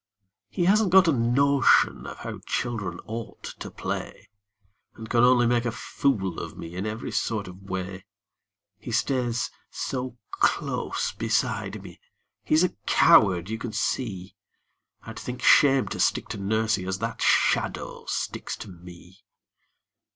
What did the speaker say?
He hasn't got a notion of how children ought to play, And can only make a fool of me in every sort of way. He stays so close beside me, he's a coward you can see; I'd think shame to stick to nursie as that shadow sticks to me!